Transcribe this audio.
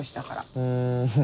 うん。